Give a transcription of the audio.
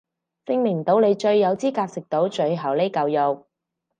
證明到你最有資格食到最後呢嚿肉